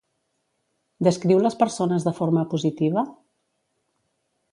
Descriu les persones de forma positiva?